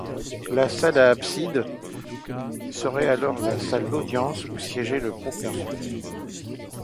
La salle à abside serait alors la salle d’audience où siégerait le proconsul.